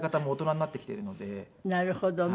なるほどね。